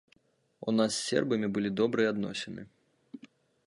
У нас з сербамі былі добрыя адносіны.